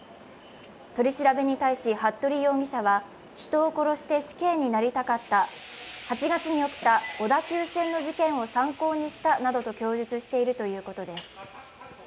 取り調べに対し服部容疑者は、人を殺して死刑になりたかった、８月に起きた小田急線の事件を参考にしたなどと供述しているということです。